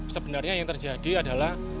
sebenarnya yang terjadi adalah